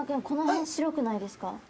この辺白くないですか。